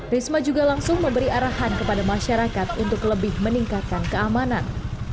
risma juga langsung memberi arahan kepada masyarakat untuk lebih meningkatkan keamanan